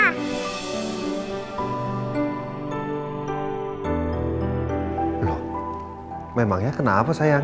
loh memangnya kenapa sayang